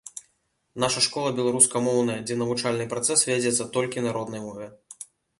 Наша школа беларускамоўная, дзе навучальны працэс вядзецца толькі на роднай мове.